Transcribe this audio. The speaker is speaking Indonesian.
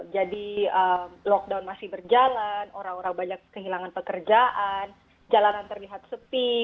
jadi lockdown masih berjalan orang orang banyak kehilangan pekerjaan jalanan terlihat sepi